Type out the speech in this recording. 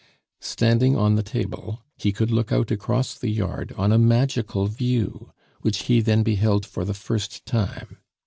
Standing on the table, he could look out across the yard on a magical view, which he then beheld for the first time.